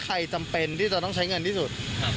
จำเป็นที่จะต้องใช้เงินที่สุด